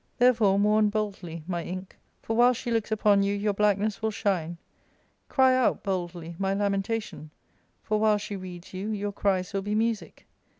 Therefore mourn boldly, my ink; for while she looks upon you your blackness will shine; cry out boldly, my lamentation ; for while she reads you your cries will be music.